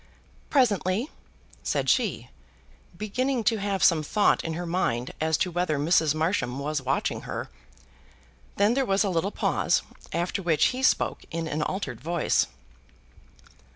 "Presently," said she, beginning to have some thought in her mind as to whether Mrs. Marsham was watching her. Then there was a little pause, after which he spoke in an altered voice.